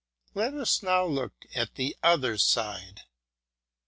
Let us now look at the other side.